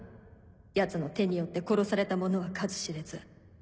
ヤツの手によって殺された者は数知れず。